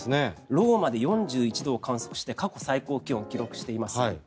ローマまで４１度を観測して過去最高気温を記録しています。